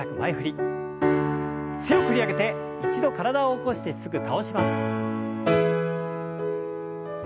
強く振り上げて一度体を起こしてすぐ倒します。